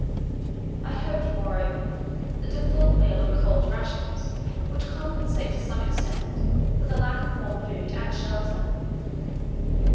I hoped, moreover, that a full meal of cold rations would compensate to some extent for the lack of warm food and shelter.